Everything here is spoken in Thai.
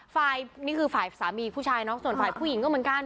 นี่คือฝ่ายสามีผู้ชายเนอะส่วนฝ่ายผู้หญิงก็เหมือนกัน